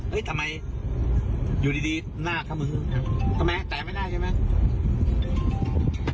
เฮ้ยทำไมอยู่ดีหน้าข้ามือทำไมแตกไม่ได้ใช่ไหม